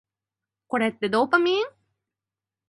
これってドーパミン？